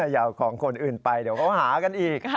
อย่าเอาของคนอื่นไปเดี๋ยวเขาหากันอีก